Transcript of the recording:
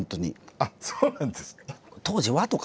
あっそうなんですか。